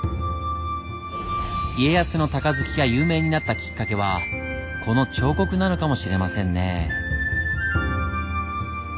家康の鷹好きが有名になったきっかけはこの彫刻なのかもしれませんね。